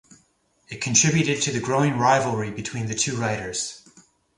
It contributed to the growing rivalry between the two writers.